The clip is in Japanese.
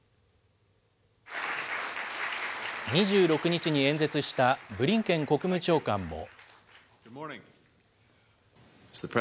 ２６日に演説した、ブリンケン国務長官も。